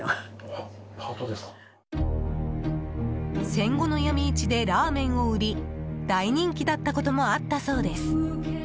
戦後の闇市でラーメンを売り大人気だったこともあったそうです。